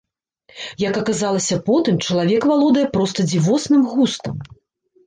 Як аказалася потым, чалавек валодае проста дзівосным густам.